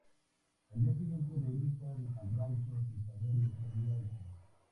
Al día siguiente regresan al rancho sin saber lo que habían hecho.